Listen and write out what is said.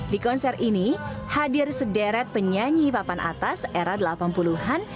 di konser ini hadir sederet penyanyi papan atas era delapan puluh an